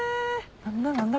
何だ？